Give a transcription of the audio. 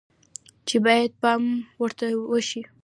چې باید پام ورته شي